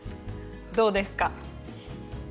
どうですか？